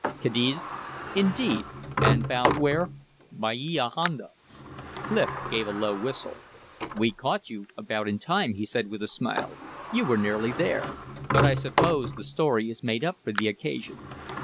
"Cadiz." "Indeed! And bound where?" "Bahia Honda." Clif gave a low whistle. "We caught you about in time," he said, with a smile. "You were nearly there. But I suppose the story is made up for the occasion.